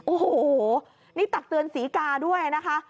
โอ้โหนี่ตักเตือนศรีกาด้วยนะคะ